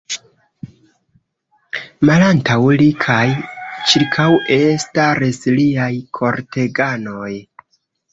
Malantaŭ li kaj ĉirkaŭe staris liaj korteganoj.